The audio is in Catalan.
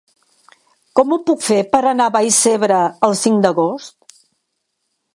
Com ho puc fer per anar a Vallcebre el cinc d'agost?